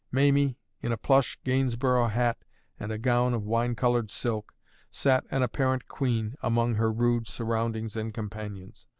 Mamie, in a plush Gainsborough hat and a gown of wine coloured silk, sat, an apparent queen, among her rude surroundings and companions.